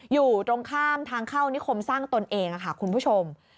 อยู่ตรงข้ามทางเข้านิคมสร้างตนเองค่ะคุณผู้ชม